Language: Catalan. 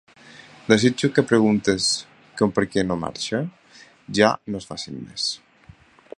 Desitjo que preguntes com per què no marxa?, ja no es facin més.